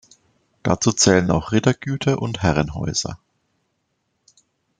Dazu zählen auch Rittergüter und Herrenhäuser.